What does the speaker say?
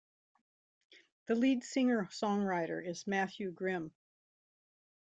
The lead singer-songwriter is Matthew Grimm.